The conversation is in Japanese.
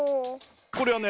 これはね